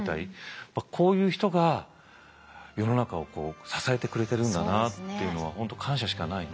こういう人が世の中を支えてくれてるんだなっていうのは本当感謝しかないね。